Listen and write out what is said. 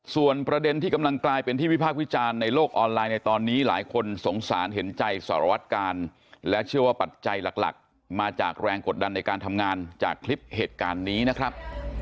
ส่วนประเด็นที่กำลังกลายเป็นที่วิพากษ์วิจารณ์ในโลกออนไลน์ในตอนนี้หลายคนสงสารเห็นใจสารวัตกาลและเชื่อว่าปัจจัยหลักมาจากแรงกดดันในการทำงานจากคลิปเหตุการณ์นี้นะครับ